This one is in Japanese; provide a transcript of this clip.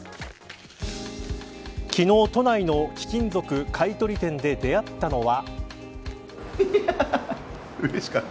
昨日、都内の貴金属買取店で出会ったのは。